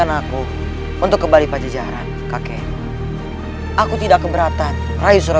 aku sama sekali tidak pernah pernah